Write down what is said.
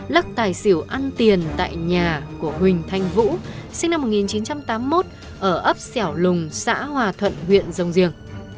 lắc tài xỉu ăn tiền tại nhà của huỳnh thanh vũ sinh năm một nghìn chín trăm tám mươi một ở ấp xẻo lùng xã hòa thuận huyện rồng giềng